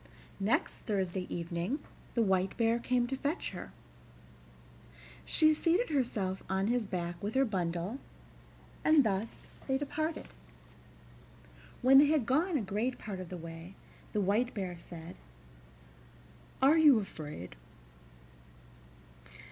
Next Thursday evening the White Bear came to fetch her. She seated herself on his back with her bundle, and thus they departed. When they had gone a great part of the way, the White Bear said: "Are you afraid?"